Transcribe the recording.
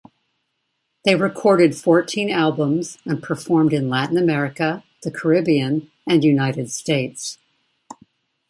They recorded fourteen albums and performed in Latin America, the Caribbean and United States.